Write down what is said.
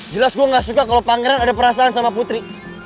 jelas gue gak suka kalau pangeran ada perasaan sama putri